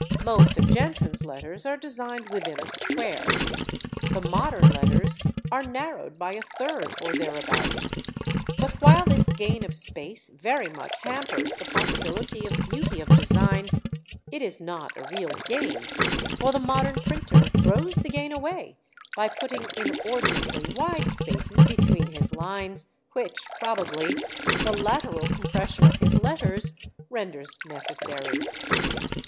Most of Jenson's letters are designed within a square, the modern letters are narrowed by a third or thereabout; but while this gain of space very much hampers the possibility of beauty of design, it is not a real gain, for the modern printer throws the gain away by putting inordinately wide spaces between his lines, which, probably, the lateral compression of his letters renders necessary.